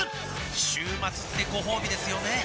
週末ってごほうびですよねー